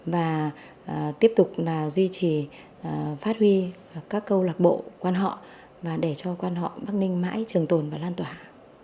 và tiếp tục là duy trì phát huy các câu lạc bộ quan họ và để cho quan họ bắc ninh mãi trường tồn và lan tỏa